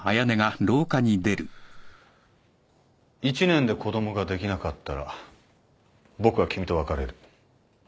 １年で子供ができなかったら僕は君と別れる。